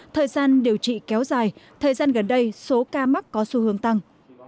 thời gian điều trị kéo dài thời gian gần đây số ca mắc có xu hướng tăng